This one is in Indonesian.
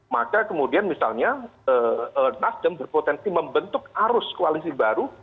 maka kemudian misalnya nasdem berpotensi membentuk arus koalisi baru